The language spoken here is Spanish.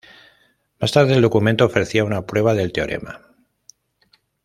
Más tarde, el documento ofrecía una prueba del teorema.